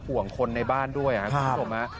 ห่วงคนในบ้านด้วยครับคุณผู้ชม